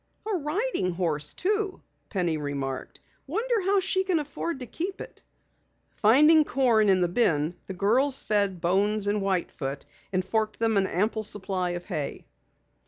"A riding horse too," Penny remarked. "Wonder how she can afford to keep it?" Finding corn in the bin, the girls fed Bones and White Foot, and forked them an ample supply of hay.